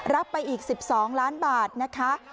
รับไปอีก๑๒ล้านบาทนะคะ